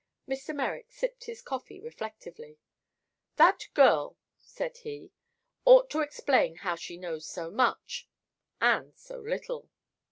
Mr. Merrick sipped his coffee reflectively. "That girl," said he, "ought to explain how she knows so much—and so little."